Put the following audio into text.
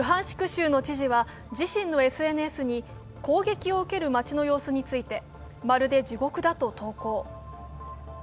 州の知事は自身のＳＮＳに攻撃を受ける街の様子についてまるで地獄だと投稿。